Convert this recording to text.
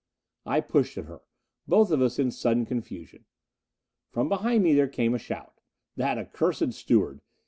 I pushed at her. Both of us in sudden confusion. From behind me there came a shout. That accursed steward!